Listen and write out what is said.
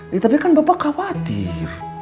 ya tapi kan bapak khawatir